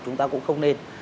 chúng ta cũng không nên